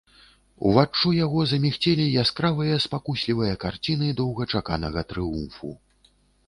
Уваччу ў яго замігцелі яскравыя спакуслівыя карціны доўгачаканага трыумфу.